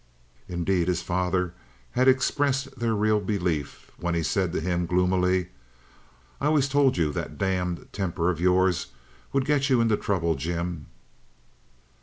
Indeed, his father had expressed their real belief, when he said to him gloomily: "I always told you that damned temper of yours would get you into trouble, Jim."